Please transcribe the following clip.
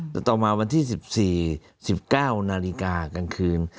แต่ต่อมาวันที่๑๔๑๙นาฬิกากลางคืน